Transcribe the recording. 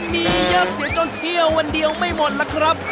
มีเยอะเสียจนเที่ยววันเดียวไม่หมดล่ะครับ